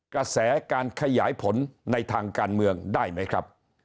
กระแสการขยายผลในทางการเมืองได้ไหมครับ